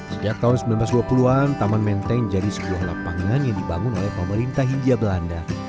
sejak tahun seribu sembilan ratus dua puluh an taman menteng jadi sebuah lapangan yang dibangun oleh pemerintah hindia belanda